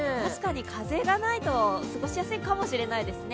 風がないと過ごしやすいかもしれないですね。